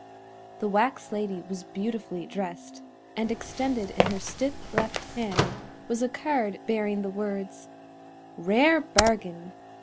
The wax lady was beautifully dressed, and extended in her stiff left hand was a card bearing the words: "RARE BARGIN!